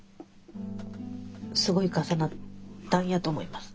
すごい重なったんやと思います。